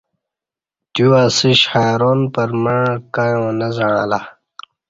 تیو اسیش حیران پرمع کایوں نہ ز عݩلہ